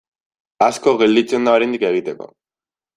Asko gelditzen da oraindik egiteko.